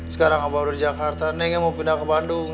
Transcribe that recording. sekarang baru di jakarta nengnya mau pindah ke bandung